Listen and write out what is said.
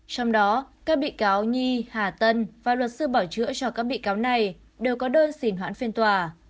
trong đó các bị cáo nhi hà tân và luật sư bảo chữa cho các bị cáo này đều có đơn xin hoãn phiên tòa